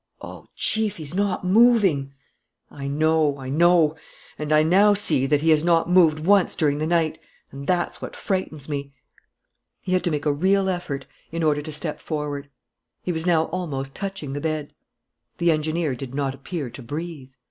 "Oh, Chief, he's not moving!" "I know ... I know ... and I now see that he has not moved once during the night. And that's what frightens me." He had to make a real effort in order to step forward. He was now almost touching the bed. The engineer did not appear to breathe.